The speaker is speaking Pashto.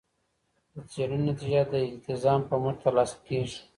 د څیړنې نتیجه د الالتزام په مټ ترلاسه کیږي.